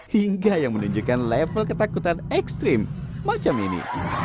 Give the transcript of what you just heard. hingga yang menunjukkan level ketakutan ekstrim macam ini